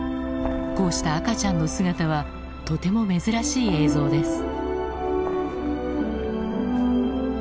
こうした赤ちゃんの姿はとても珍しい映像です。